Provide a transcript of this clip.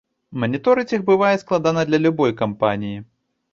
Маніторыць іх бывае складана для любой кампаніі.